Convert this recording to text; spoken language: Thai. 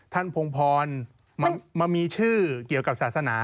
ท่านพงภรมีชื่อเกี่ยวกับศาสนา